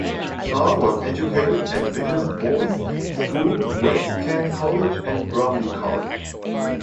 Shaw was educated at Vinters Boys' School, West Kent College and Bromley College.